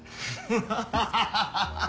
ハハハハ！